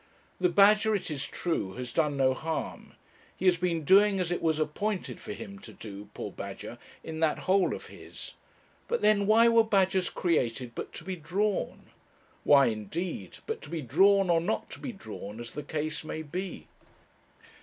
The badger, it is true, has done no harm. He has been doing as it was appointed for him to do, poor badger, in that hole of his. But then, why were badgers created but to be drawn? Why, indeed, but to be drawn, or not to be drawn, as the case may be?